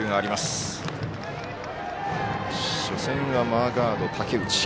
初戦はマーガード、武内。